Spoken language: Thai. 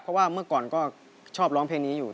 เพราะว่าเมื่อก่อนก็ชอบร้องเพลงนี้อยู่